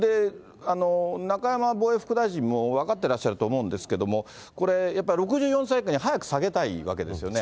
中山防衛副大臣も分かってらっしゃると思うんですけれども、これ、やっぱり６４歳以下に早く下げたいわけですよね。